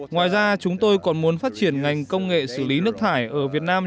ngoài ra chúng tôi còn muốn phát triển ngành công nghệ xử lý nước thải ở việt nam